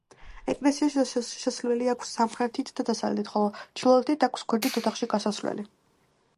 ეკლესიას შესასვლელი აქვს სამხრეთით და დასავლეთით, ხოლო ჩრდილოეთით აქვს გვერდით ოთახში გასასვლელი.